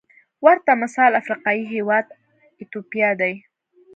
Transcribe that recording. ورته مثال افریقايي هېواد ایتوپیا دی.